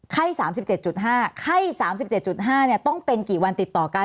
๓๗๕ไข้๓๗๕ต้องเป็นกี่วันติดต่อกัน